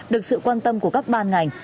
được sự quan tâm của các ban ngành